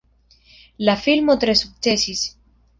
La filmo tre sukcesis.